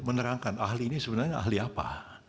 menerangkan ahli ini sebenarnya ahli apa